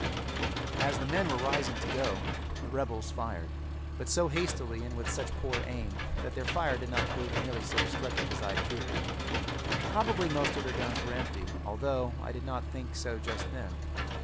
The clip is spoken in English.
As the men were rising to go, the rebels fired, but so hastily and with such poor aim that their fire did not prove nearly so destructive as I had feared. Probably most of their guns were empty, although I did not think so just then.